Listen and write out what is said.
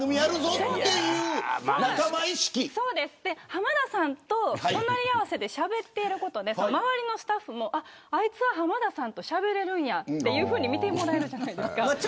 浜田さんと隣り合わせでしゃべっていることで周りのスタッフもあいつは浜田さんとしゃべれるんやと見てもらえるじゃないですか。